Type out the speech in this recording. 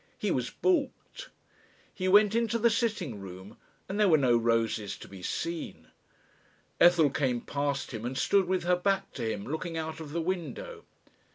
He was balked! He went into, the sitting room and there were no roses to be seen. Ethel came past him and stood with her back to him looking out of the window.